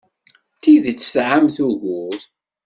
D tidet tesɛamt ugur.